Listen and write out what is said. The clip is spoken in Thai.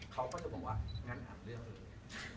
เขาก็จะบอกว่างั้นหาเรื่องเลย